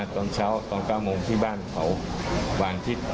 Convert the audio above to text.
ตอนเช้าตอน๙โมงที่บ้านเขาวันอาทิตย์